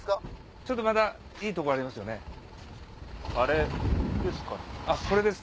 ちょっとまだいい所あります。